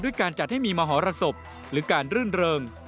การจัดให้มีมหรสบหรือการรื่นเริง